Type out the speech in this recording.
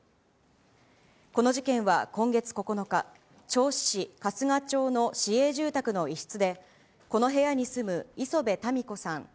この事件は今月９日、銚子市春日町の市営住宅の一室で、この部屋に住む礒辺たみ子さん